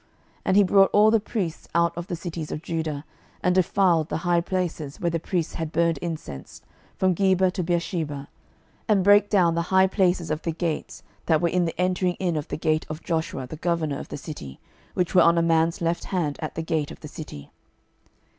12:023:008 And he brought all the priests out of the cities of Judah, and defiled the high places where the priests had burned incense, from Geba to Beersheba, and brake down the high places of the gates that were in the entering in of the gate of Joshua the governor of the city, which were on a man's left hand at the gate of the city.